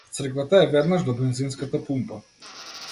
Црквата е веднаш до бензинската пумпа.